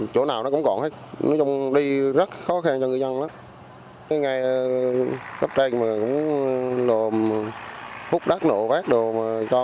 chỗ nào nó cũng còn hết nói chung đi rất khó khăn cho người dân lắm